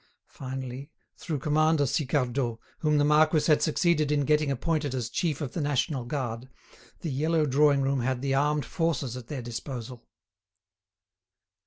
Finally, through Commander Sicardot, whom the marquis had succeeded in getting appointed as chief of the National Guard, the yellow drawing room had the armed forces at their disposal.